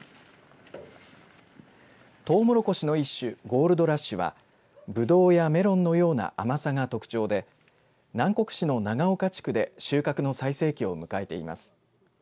とうもろこしの一種ゴールドラッシュはぶどうやメロンのような甘さが特徴で南国市の長岡地区で収穫の最盛期を迎えています。